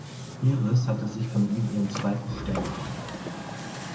Iris hatte sich von ihm ihren zweiten Stern erhofft.